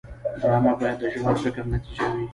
ډرامه باید د ژور فکر نتیجه وي